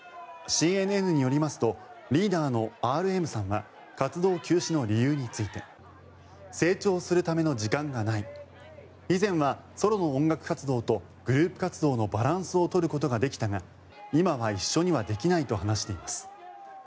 ＣＮＮによりますとリーダーのＲＭさんは活動休止の理由について成長するための時間がない以前はソロの音楽活動とグループ活動のバランスを取ることができたが今は一緒にはできないと話しています。